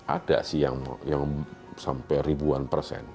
ada sih yang sampai ribuan persen